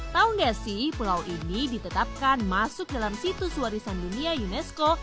tau gak sih pulau ini ditetapkan masuk dalam situs warisan dunia unesco